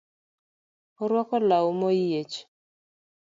Orwako law moyiech